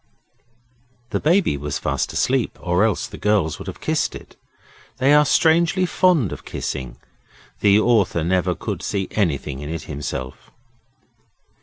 The Baby was fast asleep or else the girls would have kissed it. They are strangely fond of kissing. The author never could see anything in it himself.